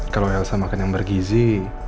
kalau elsa makan yang bergizi